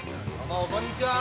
こんにちは。